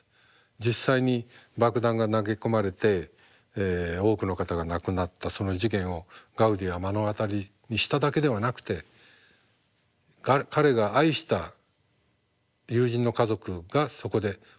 実際に爆弾が投げ込まれて多くの方が亡くなったその事件をガウディは目の当たりにしただけではなくて彼が愛した友人の家族がそこで多く亡くなったんですよね。